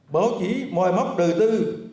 báo chí mọi mốc đời tư